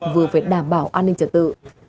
vừa phải đảm bảo an ninh trật tự